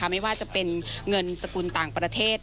ไม่ว่าจะเป็นเงินสกุลต่างประเทศ